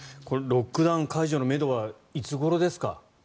ロックダウン解除のめどはいつごろですか？